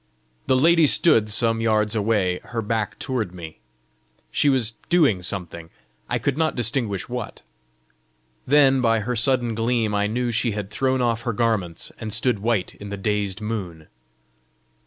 The lady stood some yards away, her back toward me. She was doing something, I could not distinguish what. Then by her sudden gleam I knew she had thrown off her garments, and stood white in the dazed moon.